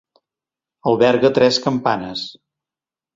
Alberga tres campanes.